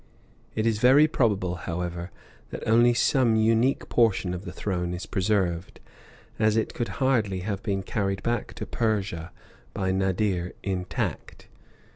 It is very probable, however, that only some unique portion of the throne is preserved, as it could hardly have been carried back to Persia by Nadir intact.